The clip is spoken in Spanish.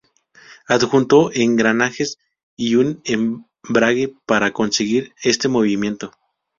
Adjuntó engranajes y un embrague para conseguir este movimiento.